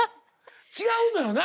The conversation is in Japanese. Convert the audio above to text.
違うのよな。